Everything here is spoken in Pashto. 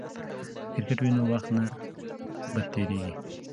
که کرکټ وي نو وخت نه بد تیریږي.